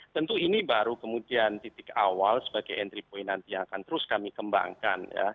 tentu ini baru kemudian titik awal sebagai entry point nanti yang akan terus kami kembangkan